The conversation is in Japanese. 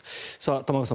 玉川さん